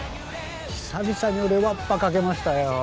久々に俺ワッパかけましたよ。